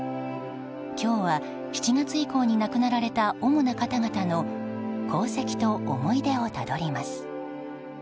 今日は７月以降に亡くなられた主な方々の功績と思い出をたどります。